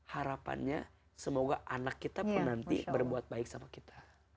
harapannya semoga anak kita pun nanti berbuat baik sama kita